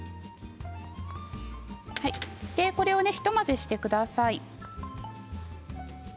これを一混ぜしてください。